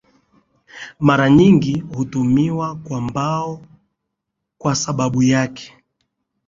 mara nyingi hutumiwa kwa mbao kwa sababu yake